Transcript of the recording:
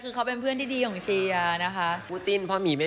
คือเขาเป็นเพื่อนที่ดีของเชียร์นะคะ